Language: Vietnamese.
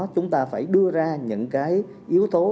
chúng ta phải đưa ra những cái yếu tố